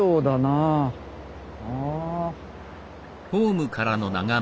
ああ。